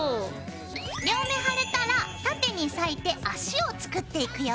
両目貼れたら縦に裂いて足を作っていくよ。